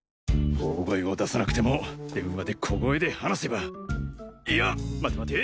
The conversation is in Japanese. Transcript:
大声を出さなくても電話で小声で話せばいや待て待て！